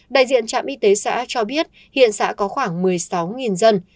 đại diện trạm y tế xã cho biết hiện xã có khoảng một mươi sáu dân